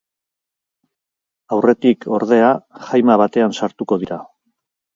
Aurretik, ordea, haima batean sartuko dira.